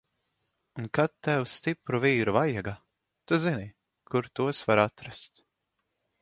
Un kad tev stipru vīru vajaga, tu zini, kur tos var atrast!